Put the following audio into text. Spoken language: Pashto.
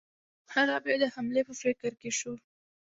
هغه بیا د حملې په فکر کې شو.